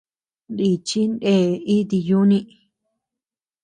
Nichi ndee iti yuni.